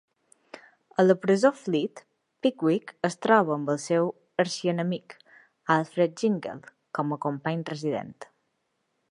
A la presó Fleet, Pickwick es troba amb el seu arxienemic, Alfred Jingle, com a company resident.